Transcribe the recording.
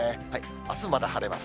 あす、まだ晴れます。